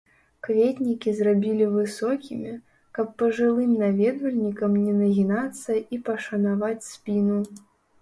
Кветнікі зрабілі высокімі, каб пажылым наведвальнікам не нагінацца і пашанаваць спіну.